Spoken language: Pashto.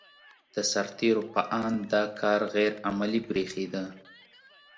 د سرتېرو په اند دا کار غیر عملي برېښېده.